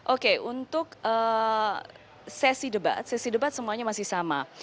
oke untuk sesi debat sesi debat semuanya masih sama